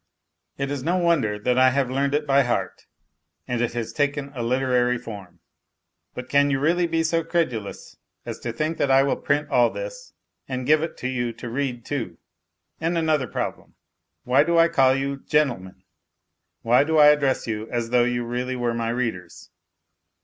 It is no wonder that I have learned it by heart and it has taken a literary form. ... But can you really be so credulous as to think that I will print all this and give it to you to read too ? And another problem : why do I call you " gentlemen," why do I address you as .though you really were my readers